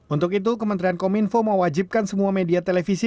untuk itu kementerian kominfo mewajibkan semua media televisi